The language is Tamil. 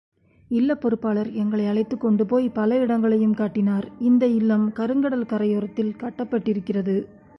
இல்லப் பொறுப்பாளர், எங்களை அழைத்துக் கொண்டு போய் பல இடங்களையும் காட்டினார் இந்த இல்லம் கருங்கடல் கரையோரத்தில் கட்டப்பட்டிருக்கிறது.